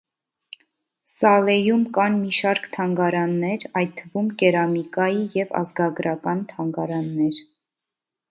Սալեյում կան մի շարք թանգարաններ, այդ թվում՝ կերամիկայի և ազգագրական թանգարաններ։